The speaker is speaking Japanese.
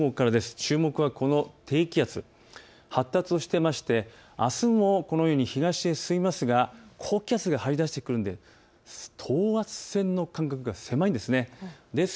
注目はこの低気圧、発達していましてあすもこのように東へ進みますが高気圧が張り出してくるので等圧線の間隔が狭いんです。